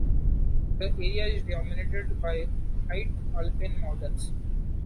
The area is dominated by high alpine mountains.